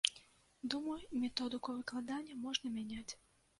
Думаю, методыку выкладання можна мяняць.